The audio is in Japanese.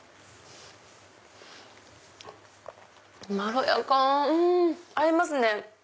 まろやか！合いますね。